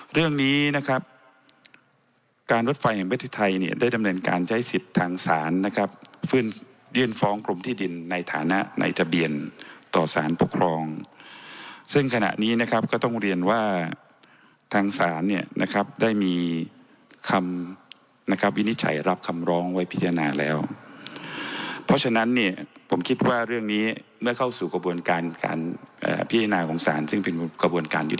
เรื่องนี้นะครับการวดไฟแห่งเวทย์ไทยเนี่ยได้ดำเนินการใช้สิทธิ์ทางศาลนะครับฟื้นยื่นฟ้องกลุ่มที่ดินในฐานะในทะเบียนต่อสารปกครองซึ่งขณะนี้นะครับก็ต้องเรียนว่าทางศาลเนี่ยนะครับได้มีคำนะครับวินิจฉัยรับคำร้องไว้พิจารณาแล้วเพราะฉะนั้นเนี่ยผมคิดว่าเรื่องนี้เมื่อเข้าสู่กระบ